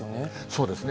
そうですね。